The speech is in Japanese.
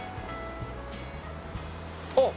あっ！